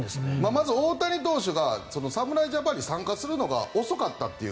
まず大谷投手が侍ジャパンに参加するのが遅かったという。